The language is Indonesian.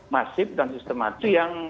masif dan sistematis